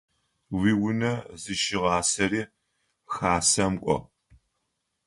Уиунэ зыщыгъасэри Хасэм кӏо.